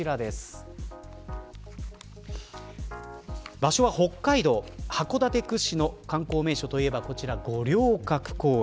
場所は北海道、函館屈指の観光名所といえばこちら五稜郭公園。